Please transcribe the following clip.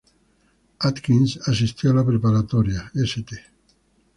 Atkins asistió a la preparatoria St.